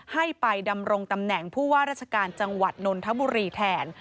ให้ไปดำรงตำแหน่งผู้ว่าราชการจังหวัดนนทบุรีแทน